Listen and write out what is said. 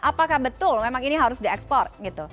apakah betul memang ini harus diekspor gitu